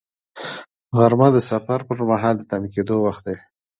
غرمه د سفر پر مهال د تم کېدو وخت دی